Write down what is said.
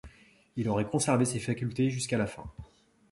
Il aurait conservé ses facultés jusqu'à la fin.